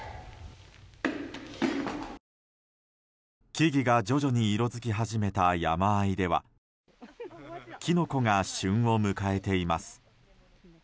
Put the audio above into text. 木々が徐々に色づき始めた山あいではキノコが旬を迎えています。